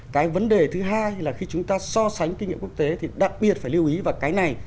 cái vấn đề thứ hai là khi chúng ta so sánh kinh nghiệm quốc tế thì đặc biệt phải lưu ý vào cái này